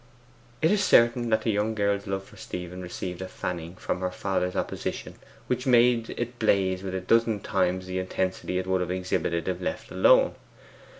It is certain that the young girl's love for Stephen received a fanning from her father's opposition which made it blaze with a dozen times the intensity it would have exhibited if left alone.